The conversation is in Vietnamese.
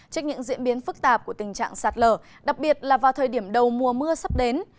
trước những diễn biến phức tạp của tình trạng sạt lở đặc biệt là vào thời điểm đầu mùa mưa sắp đến